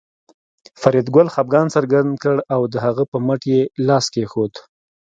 فریدګل خپګان څرګند کړ او د هغه په مټ یې لاس کېښود